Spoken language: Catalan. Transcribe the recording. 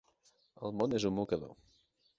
El món és un mocador.